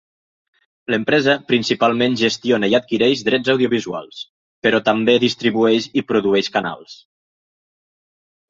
L'empresa principalment gestiona i adquireix drets audiovisuals, però també distribueix i produeix canals.